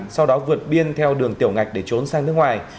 sau đó vượt biên theo đường tiểu ngạch để trốn sang nước ngoài